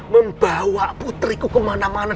membawa putriku kemana mana